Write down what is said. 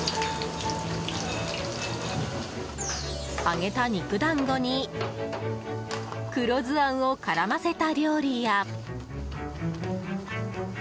揚げた肉団子に黒酢あんを絡ませた料理や。